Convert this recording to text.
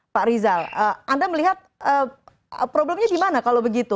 pak rizal anda melihat problemnya di mana kalau begitu